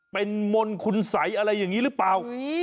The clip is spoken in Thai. เป็นมนต์คุณสัยอะไรอย่างนี้หรือเปล่า